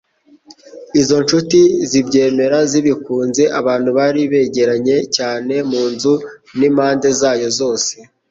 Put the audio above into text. izo nshuti zibyemera zibikunze. Abantu bari begeranye cyane mu nzu n'impande zayo zose,